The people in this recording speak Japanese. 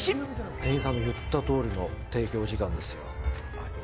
店員さんが言った通りの提供時間ですよ。